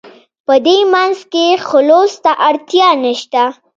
په دې منځ کې خلوص ته اړتیا نشته.